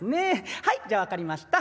はいじゃあ分かりました。